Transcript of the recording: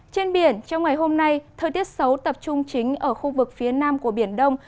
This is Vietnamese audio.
trên biển trong ngày hôm nay thời tiết xấu tập trung chính ở khu vực phía nam của biển đông